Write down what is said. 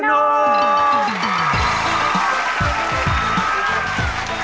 โอเค